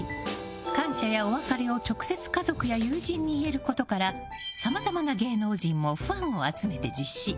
感謝やお別れを直接家族や友人に言えることからさまざまな芸能人もファンを集めて実施。